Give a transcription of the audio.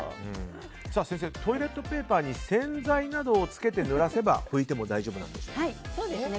先生、トイレットペーパーに洗剤などをつけてぬらせば拭いても大丈夫なんでしょうか？